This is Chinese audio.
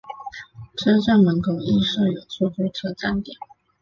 车站门口亦设有出租车站点。